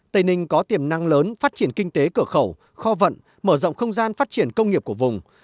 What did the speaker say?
tây ninh có tiềm năng lớn phát triển kinh tế cửa khẩu kho vận mở rộng không gian phát triển công nghiệp của vùng